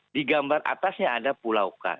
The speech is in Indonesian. di gambar atasnya ada pulau k